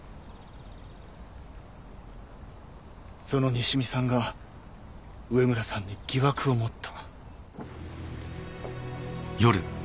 その西見さんが上村さんに疑惑を持った。